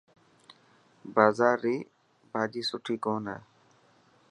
بازار ري ڀاڄي سٺي ڪون هي.